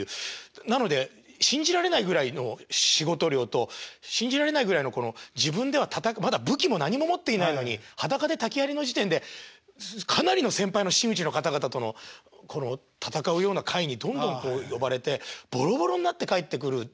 なので信じられないぐらいの仕事量と信じられないぐらいの自分ではまだ武器も何も持っていないのに裸で竹やりの時点でかなりの先輩の真打ちの方々とのこの戦うような会にどんどんこう呼ばれてボロボロになって帰ってくるっていう。